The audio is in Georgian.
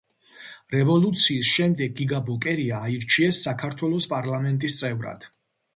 რევოლუციის შემდეგ გიგა ბოკერია აირჩიეს საქართველოს პარლამენტის წევრად.